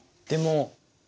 でも。